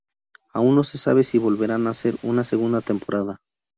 Aún no se sabe si volverán a hacer una segunda temporada.